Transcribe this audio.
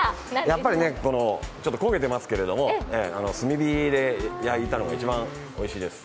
やっぱり焦げてますけど、炭火で焼いたのが一番おいしいです。